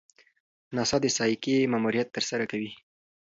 ناسا د سایکي ماموریت ترسره کوي.